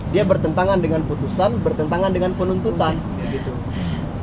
dia bertentangan dengan putusan bertentangan dengan penuntutan